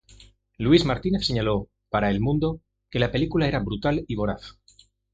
Luis Martínez señaló para "El Mundo" que la película era "brutal y voraz.